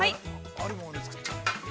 あるもので作っちゃう。